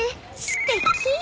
すてき。